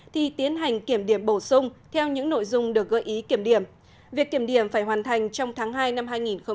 thì tiến hành kiểm điểm bổ sung theo những nội dung được gợi ý kiểm điểm việc kiểm điểm phải hoàn thành trong tháng hai năm hai nghìn hai mươi